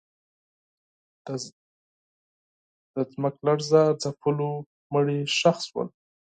د زلزله ځپلو مړي ښخ شول.